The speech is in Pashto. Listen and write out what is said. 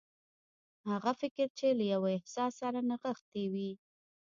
هغه فکر چې له يوه احساس سره نغښتي وي.